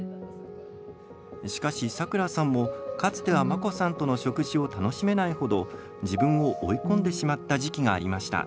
しかし、さくらさんもかつては真心さんとの食事を楽めないほど自分を追い込んでしまった時期がありました。